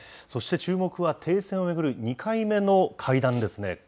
そして注目は、停戦を巡る２回目の会談ですね。